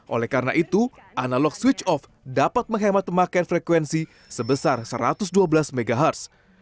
oleh karena itu analog switch off dapat menghemat pemakaian frekuensi sebesar satu ratus dua belas mhz